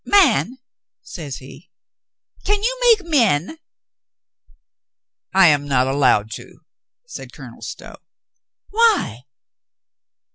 "Man," says he, "can you make men?" "I am not allowed to," said Colonel Stow. "Why?"